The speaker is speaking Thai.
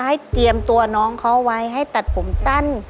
ให้เตรียมตัวน้องเขาไว้ให้ตัดผมสั้น